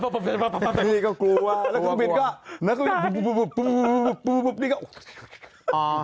พี่ก็กลัวแล้วก็บิ๊นก็